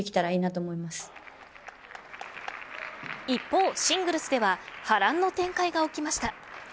一方、シングルスでは波乱の展開が起きました。